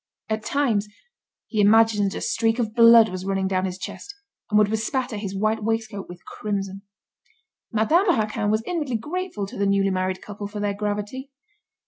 At times, he imagined a streak of blood was running down his chest, and would bespatter his white waistcoat with crimson. Madame Raquin was inwardly grateful to the newly married couple for their gravity.